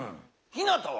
ひなたは？